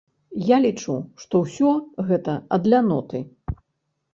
Я лічу, што ўсё гэта ад ляноты.